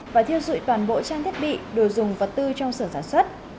và thiêu dụi toàn bộ trang thiết bị đồ dùng vật tư trong sở sản xuất